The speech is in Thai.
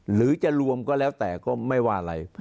หรือจะรวมก็แล้วแต่ก็ไม่ว่าอะไร